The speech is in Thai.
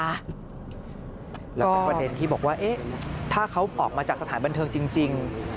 แล้วก็ประเด็นที่บอกว่าถ้าเขาออกมาจากสถานบันเทิงจริง